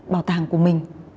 bảo tàng của mình